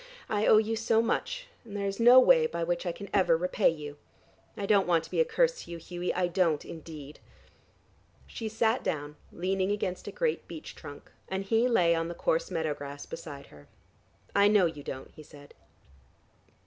I owe you so much and there is no way by which I can ever repay you. I don't want to be a curse to you, Hughie; I don't indeed." She sat down, leaning against a great beech trunk, and he lay on the coarse meadow grass beside her. "I know you don't," he said.